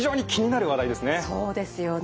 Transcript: そうですよね。